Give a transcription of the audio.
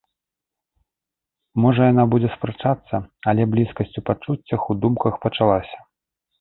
Можа, яна будзе спрачацца, але блізкасць у пачуццях, у думках пачалася.